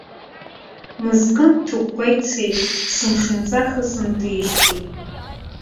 Мызкы нҭакәкәа ицеит сымшынҵа хысымтижьҭеи.